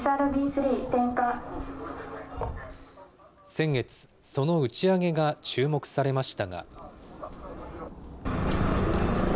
先月、その打ち上げが注目されましたが。